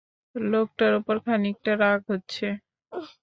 লোকটার ওপর খানিকটা রাগ হচ্ছে।